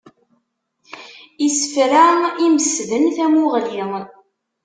Isefra imesden tamuɣli.